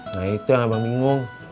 nah itu yang abang bingung